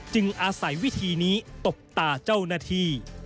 อาศัยวิธีนี้ตบตาเจ้าหน้าที่